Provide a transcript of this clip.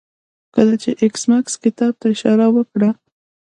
کله چې ایس میکس کتاب ته اشاره وکړه